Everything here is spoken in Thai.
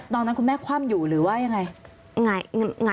ตอนนั้นคุณแม่คว่ำอยู่หรือว่ายังไง